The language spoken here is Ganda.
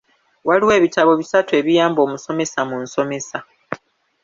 Waliwo ebitabo bisatu ebiyamba omusomesa mu nsomesa.